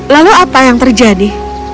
lalu apa yang terjadi